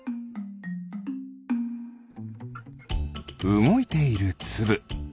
うごいているつぶ。